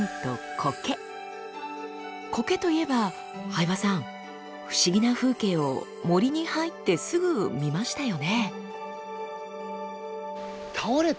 コケといえば相葉さん不思議な風景を森に入ってすぐ見ましたよね！